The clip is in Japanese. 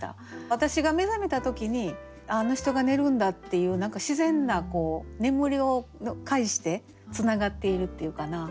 私が目覚めた時にあの人が寝るんだっていう何か自然な眠りを介してつながっているっていうかな。